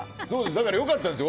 だから、良かったんですよ